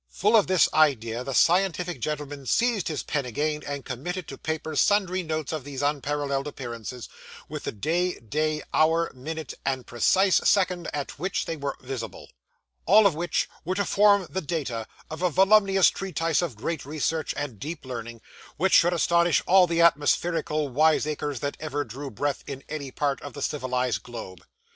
Full of this idea, the scientific gentleman seized his pen again, and committed to paper sundry notes of these unparalleled appearances, with the date, day, hour, minute, and precise second at which they were visible: all of which were to form the data of a voluminous treatise of great research and deep learning, which should astonish all the atmospherical wiseacres that ever drew breath in any part of the civilised globe.